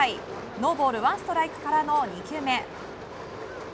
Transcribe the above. ノーボールワンストライクからの２球目。